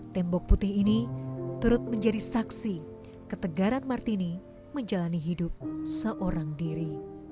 tembok putih ini turut menjadi saksi ketegaran martini menjalani hidup seorang diri